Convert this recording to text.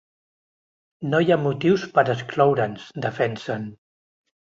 No hi ha motius per a excloure’ns, defensen.